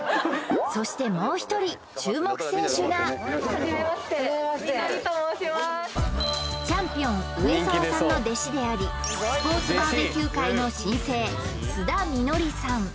そしてもう一人注目選手がチャンピオン・上澤さんの弟子でありスポーツバーベキュー界の新星須田みのりさん